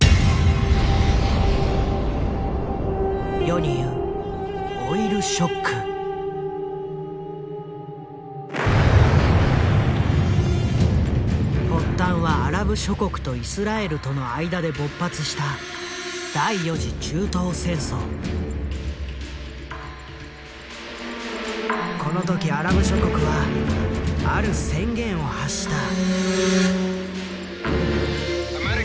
世に言う発端はアラブ諸国とイスラエルとの間で勃発したこの時アラブ諸国はある宣言を発した。